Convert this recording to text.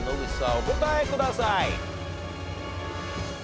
お答えください。